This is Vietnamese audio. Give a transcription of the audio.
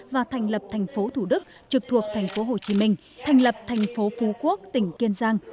và thành lập thành phố thủ đức trực thuộc thành phố hồ chí minh thành lập thành phố phú quốc tỉnh kiên giang